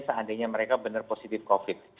seandainya mereka benar positif covid